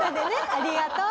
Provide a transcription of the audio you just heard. ありがとう。